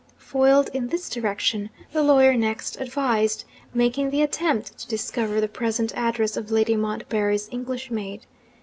Foiled in this direction, the lawyer next advised making the attempt to discover the present address of Lady Montbarry's English maid.